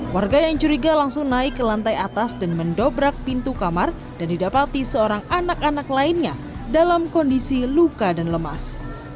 warga yang curiga langsung naik ke lantai atas dan mendobrak pintu kamar dan didapati seorang anak anak lainnya dalam kondisi luka dan lemas